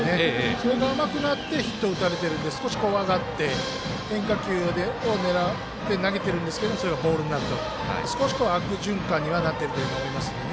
それが甘くなってヒットを打たれているのでそこを怖がって変化球を狙って投げてるんですがそれがボールになると、少し悪循環にはなっていると思います。